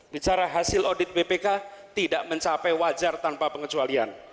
bicara hasil audit bpk tidak mencapai wajar tanpa pengecualian